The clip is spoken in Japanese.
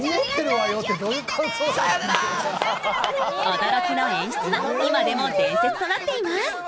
驚きの演出は、今でも伝説となっています。